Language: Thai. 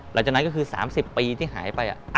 หลังจากนั้นก็คือ๓๐ปีที่หายไป